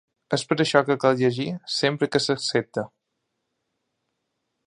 És per això que cal llegir sempre què s’accepta.